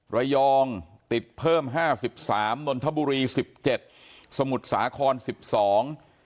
ติดเพิ่มห้าสิบสามนนทบุรีสิบเจ็ดสมุทรสาครสิบสอง